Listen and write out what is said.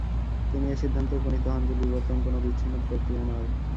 তিনি এ সিদ্ধান্তে উপনীত হন যে, বিবর্তন কোনো বিচ্ছিন্ন প্রক্রিয়া নয়।